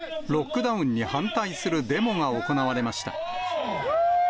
オークランドで２日、ロックダウンに反対するデモが行われました。